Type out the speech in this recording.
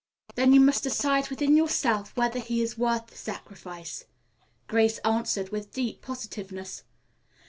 "Then you must decide within yourself whether he is worth the sacrifice," Grace answered with deep positiveness.